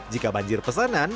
jika banjir pesanan